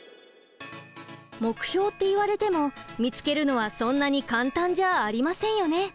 目標って言われても見つけるのはそんなに簡単じゃありませんよね？